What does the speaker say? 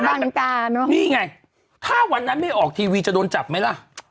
มันกาเนอะนี่ไงถ้าวันนั้นไม่ออกทีวีจะโดนจับไหมล่ะ